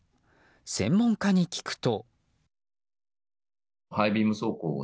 専門家に聞くと。